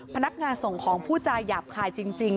พนักงานส่งของผู้จาหยาบคายจริง